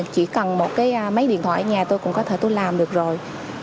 chỉ cần một cái máy điện thoại ở nhà tôi cũng có thể tôi làm được rồi